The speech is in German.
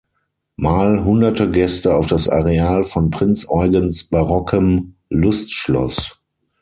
Mal hunderte Gäste auf das Areal von Prinz Eugens barockem Lustschloss.